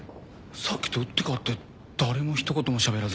さっきと打って変わって誰もひと言もしゃべらず。